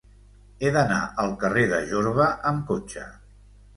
He d'anar al carrer de Jorba amb cotxe.